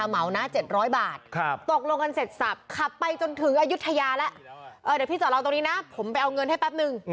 เขาบอกว่ามันไกลอะ๘๐กว้าโลก็มีนะคะ